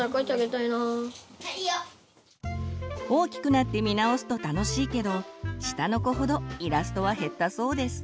大きくなって見直すと楽しいけど下の子ほどイラストは減ったそうです。